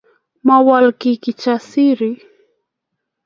Mowol kiy Kijasiri